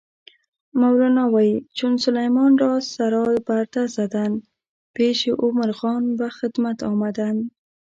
مولانا وایي: "چون سلیمان را سرا پرده زدند، پیشِ او مرغان به خدمت آمدند".